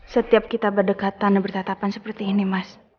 setiap kita berdekatan dan bercatapan seperti ini mas